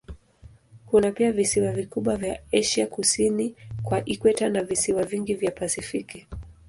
Kuna pia visiwa vikubwa vya Asia kusini kwa ikweta na visiwa vingi vya Pasifiki.